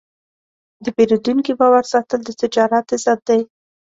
د پیرودونکي باور ساتل د تجارت عزت دی.